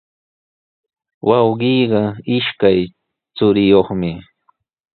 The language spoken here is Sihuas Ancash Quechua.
Wawqiiqa ishkay churiyuqmi.